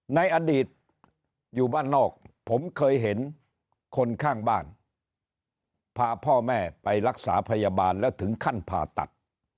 ในอดีตอยู่บ้านนอกผมเคยเห็นคนข้างบ้านพาพ่อแม่ไปรักษาพยาบาลแล้วถึงขั้นผ่าตัด